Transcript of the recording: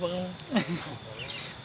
itu gimana gimana ceritanya